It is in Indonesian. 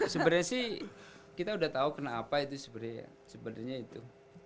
sebenarnya sih kita udah tahu kenapa itu sebenarnya itu